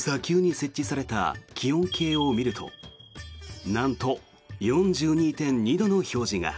砂丘に設置された気温計を見るとなんと、４２．２度の表示が。